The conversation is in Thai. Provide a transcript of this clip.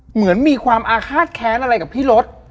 เหมือนมีความอาฆาตแค้นอะไรกับพี่รถ